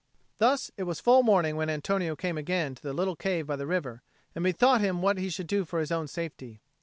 Thus it was full morning when Antonio came again to the little cave by the river, and bethought him what he should do for his own safety.